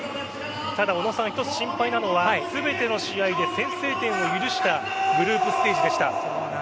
ただ一つ、心配なのは全ての試合で先制点を許したグループステージでした。